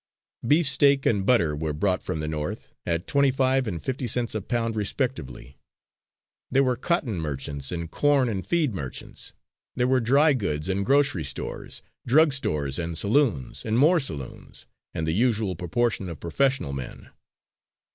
Beefsteak and butter were brought from the North, at twenty five and fifty cents a pound respectively. There were cotton merchants, and corn and feed merchants; there were dry goods and grocery stores, drug stores and saloons and more saloons and the usual proportion of professional men.